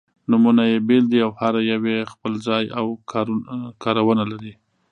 نومونه يې بېل دي او هره یوه یې خپل ځای او کار-ونه لري.